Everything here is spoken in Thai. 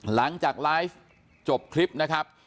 หลังจากไลฟ์จบคลิปนะครับ